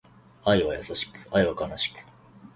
愛は優しく、愛は悲しく